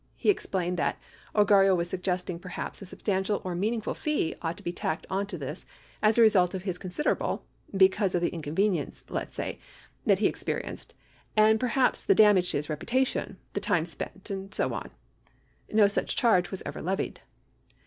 He explained that "Ogarrio was suggesting per haps a substantial or meaningful fee ought to be tacked onto this as a result of his considerable, because of the inconvenience, let's say, that he experienced, and perhaps the damage to his reputation, the time spent, and so on." 70 No such charge was ever levied.